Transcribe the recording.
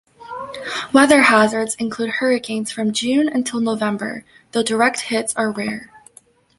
Weather hazards include hurricanes from June until November, though direct hits are rare.